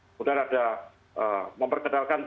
kemudian ada memperkenalkan